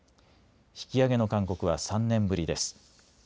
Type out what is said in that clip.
引き上げの勧告は３年ぶりです。